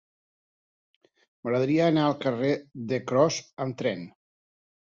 M'agradaria anar al carrer de Cros amb tren.